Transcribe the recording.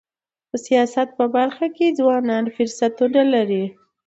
د سیاست په برخه کي ځوانان فرصتونه لري.